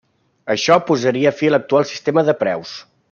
Això posaria fi a l'actual sistema de preus.